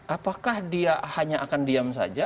apakah dia hanya akan diam saja